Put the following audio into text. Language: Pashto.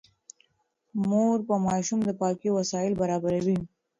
مور د ماشوم د پاکۍ وسايل برابروي.